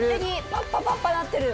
パッパパッパなってる！